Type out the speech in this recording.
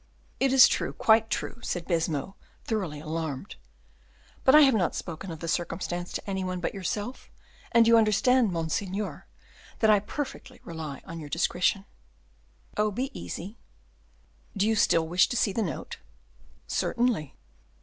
"It is true, quite true," said Baisemeaux, thoroughly alarmed; "but I have not spoken of the circumstance to any one but yourself, and you understand, monseigneur, that I perfectly rely on your discretion." "Oh, be easy." "Do you still wish to see the note?" "Certainly."